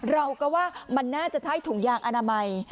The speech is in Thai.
เราก็ว่ามันน่าจะใช้ถุงยางอนามัย